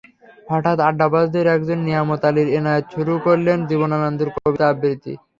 হঠাৎ আড্ডাবাজদের একজন নিয়ামত আলী এনায়েত শুরু করলেন জীবনানন্দের কবিতা আবৃত্তি।